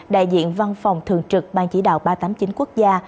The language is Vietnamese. đại diện văn phòng thường trực ban chỉ đạo ba trăm tám mươi chín quốc gia